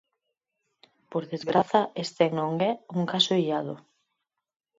Por desgraza este non é un caso illado.